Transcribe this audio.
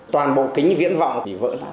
toàn bộ kính viễn vọng bị vỡ lại